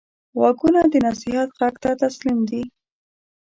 غوږونه د نصیحت غږ ته تسلیم دي